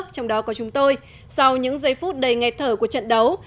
trong đó có chúng tôi sau những giây phút đầy nghe thở của trận đấu